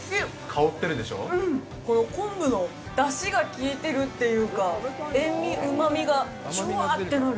昆布のだしが効いてるっていうか塩味、うまみが、ジュワってなる。